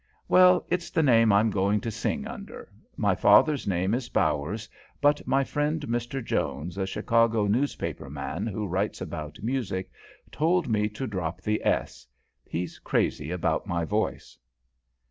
"Well, it's the name I'm going to sing under. My father's name is Bowers, but my friend Mr. Jones, a Chicago newspaper man who writes about music, told me to drop the 's.' He's crazy about my voice."